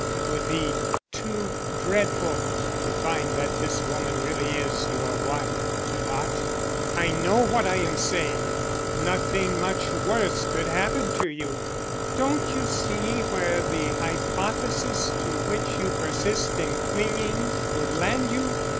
It would be too dreadful to find that this woman really is your wife." "What?" "I know what I am saying. Nothing much worse could happen to you. Don't you see where the hypothesis to which you persist in clinging would land you?